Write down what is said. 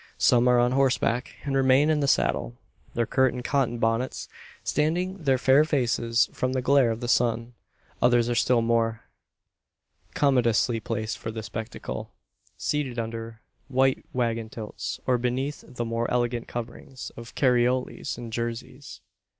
Some are on horseback; and remain in the saddle their curtained cotton bonnets shading their fair faces from the glare of the sun; others are still more commodiously placed for the spectacle seated under white waggon tilts, or beneath the more elegant coverings of "carrioles" and "Jerseys."